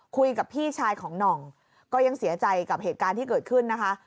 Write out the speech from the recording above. คุยกับพี่ชายของหน่องก็ยังเสียใจกับเหตุการณ์ที่เกิดขึ้นนะคะ